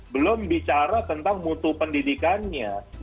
belum bicara tentang mutu pendidikannya